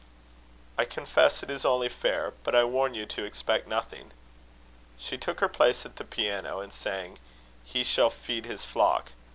"I confess it is only fair; but I warn you to expect nothing." She took her place at the piano, and sang He shall feed his flock.